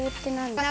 これ。